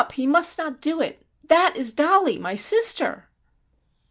He must not do it! That is Dollie, my sister!"